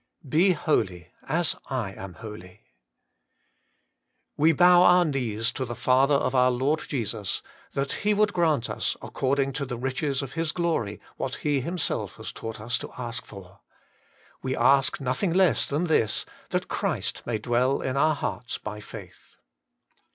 BE HOLY, AS I AM HOLY. We bow our knees to the Father of our Lord Jesus, that He would grant unto us, according to the riches of His glory, what He Himself has taught us to ask for. We ask nothing less thali this, that Christ may dwell in our hearts by faith.